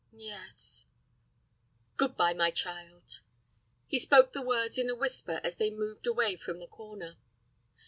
"Yes." "Good bye, my child." He spoke the words in a whisper as they moved away from the corner.